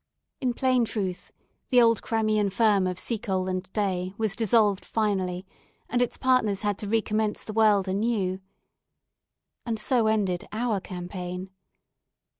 In plain truth, the old Crimean firm of Seacole and Day was dissolved finally, and its partners had to recommence the world anew. And so ended our campaign.